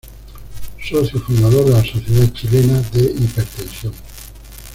Socio fundador de la Sociedad Chilena de Hipertensión.